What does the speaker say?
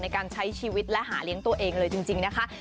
ในการใช้ชีวิตและหาเลี้ยงตัวเองเลยจริงนะคะ